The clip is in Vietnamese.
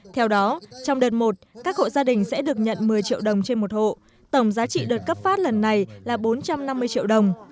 theo đó trong đợt một các hộ gia đình sẽ được nhận một mươi triệu đồng trên một hộ tổng giá trị đợt cấp phát lần này là bốn trăm năm mươi triệu đồng